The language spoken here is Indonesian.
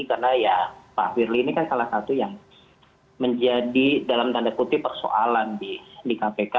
karena ya pak firly ini kan salah satu yang menjadi dalam tanda putih persoalan di kpk